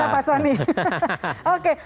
pak soni oke